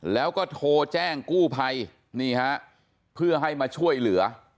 แล้วก็โทรแจ้งกู้ภัยนี่ฮะเพื่อให้มาช่วยเหลือ